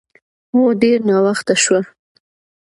هو، ډېر ناوخته شوه.